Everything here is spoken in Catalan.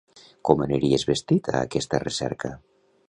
Com aniries vestit a aquesta recerca?